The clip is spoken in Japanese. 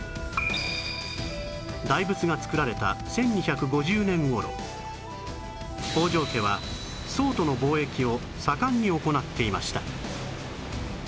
大仏が造られた１２５０年頃北条家は宋との貿易を盛んに行っていました